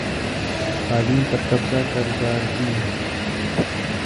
تعلیم پر قبضہ کر جا رہی ہے